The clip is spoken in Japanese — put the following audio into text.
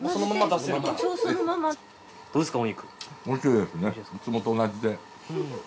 いつもと同じで。